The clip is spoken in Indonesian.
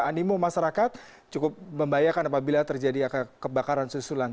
animo masyarakat cukup membahayakan apabila terjadi kebakaran susulan